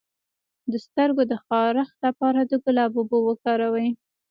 د سترګو د خارښ لپاره د ګلاب اوبه وکاروئ